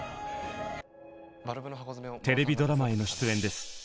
テレビドラマへの出演です。